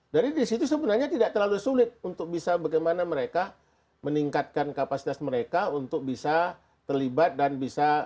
jadi di situ sebenarnya tidak terlalu sulit untuk bisa bagaimana mereka meningkatkan kapasitas mereka untuk bisa terlibat dan bisa